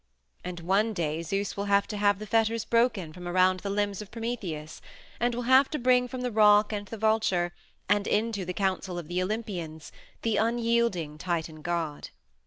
And one day Zeus will have to have the fetters broken from around the limbs of Prometheus, and will have to bring from the rock and the vulture, and into the Council of the Olympians, the unyielding Titan god.